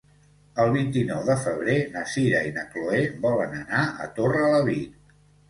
El vint-i-nou de febrer na Sira i na Chloé volen anar a Torrelavit.